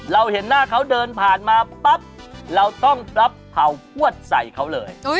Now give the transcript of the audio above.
เราเห็นหน้าเขาเดินผ่านมาปั๊บเราต้องปรับเผ่าพวดใส่เขาเลย